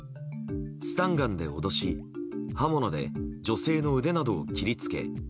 スタンガンで脅し刃物で女性の腕などを切りつけ。